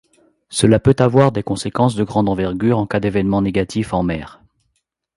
Cela peut avoir des conséquences de grande envergure en cas d'événements négatifs en mer.